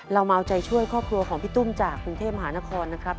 เรามาเอาใจช่วยครอบครัวของพี่ตุ้มจากกรุงเทพมหานครนะครับ